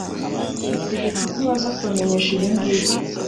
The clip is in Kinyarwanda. dutegetse ko baza kubamenyesha ibyo ngibyo